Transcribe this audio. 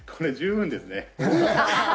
これ十分ですね。